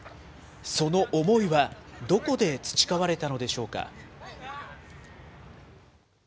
その思いはどこで培われたのでしょうか。